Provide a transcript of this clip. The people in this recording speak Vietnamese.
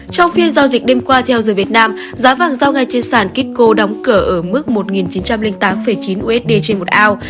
trong phiên giao dịch đêm qua theo giờ việt nam giá vàng giao ngay trên sàn kitco đóng cửa ở mức một chín trăm linh tám chín usd trên một ao